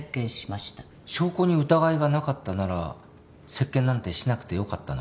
証拠に疑いがなかったなら接見なんてしなくてよかったのでは？